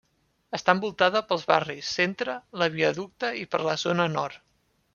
Està envoltada pels barris Centre, el Viaducte i per la zona Nord.